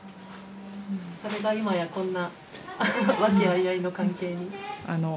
それが今やこんな和気あいあいの関係に。